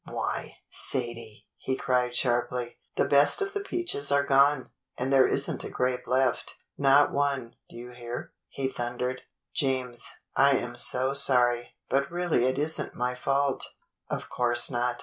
Why, Sadie!" he cried sharply, "the best of the peaches are gone, and there is n't a grape left, — not one, do you hear?" he thundered. "James, I am so sorry, but really it is n't my fault." "Of course not.